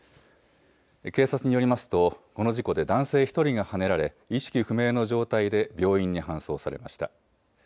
警察によりますとこの事故で男性１人がはねられ意識不明の状態で病院に搬送されました。